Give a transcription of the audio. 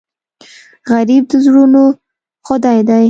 غریب د زړونو خدای دی